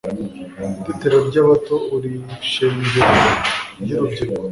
Tetero ry' abato uri shengero ry' urubyiruko,